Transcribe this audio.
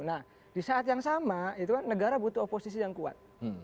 nah di saat yang sama itu kan negara butuh oposisi yang kuat